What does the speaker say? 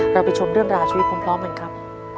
เราไปชมเรื่องราชวีพร้อมเหมือนครับ